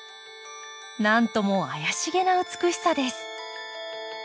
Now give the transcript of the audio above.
何ともあやしげな美しさです。